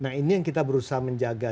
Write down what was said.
nah ini yang kita berusaha menjaga